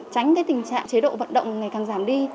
tránh tình trạng chế độ vận động ngày càng giảm đi